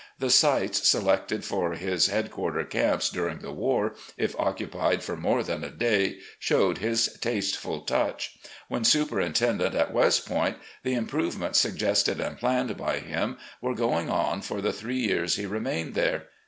The sites selected for 2o6 recollections of general lee his headquarter camps during the war, if occupied for more than a day, showed his tasteful touch. When superintendent at West Point, the improvements sug gested and planned by him were going on for the three years he remained there.